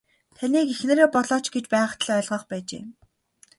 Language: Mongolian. Таныг эхнэрээ болооч гэж байхад л ойлгох байжээ.